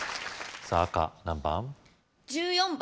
さぁ赤何番？